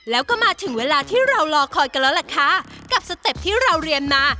แล้วก็มาถึงเวลาที่เรารอคอยกันแล้วล่ะค่ะกับสเต็ปที่เราเรียนมา